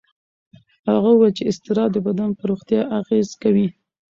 هغه وویل چې اضطراب د بدن پر روغتیا اغېز کوي.